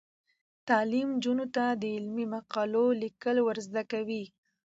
تعلیم نجونو ته د علمي مقالو لیکل ور زده کوي.